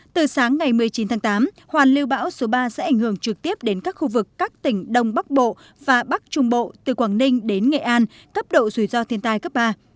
từ sáng ngày một mươi chín tháng tám hoàn lưu bão số ba sẽ ảnh hưởng trực tiếp đến các khu vực các tỉnh đông bắc bộ và bắc trung bộ từ quảng ninh đến nghệ an cấp độ rủi ro thiên tai cấp ba